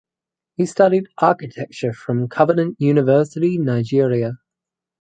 He studied Architecture from Covenant University Nigeria.